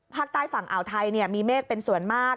ภาคใต้ฝั่งอ่าวไทยมีเมฆเป็นส่วนมาก